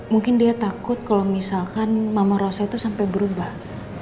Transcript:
mungkin dia takut kalau misalkan mama rosa itu sampai berubah